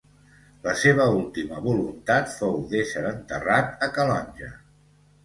La seva última voluntat fou d'ésser enterrat a Calonge.